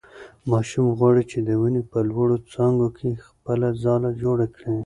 ماشوم غواړي چې د ونې په لوړو څانګو کې خپله ځاله جوړه کړي.